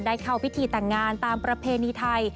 เข้าพิธีแต่งงานตามประเพณีไทย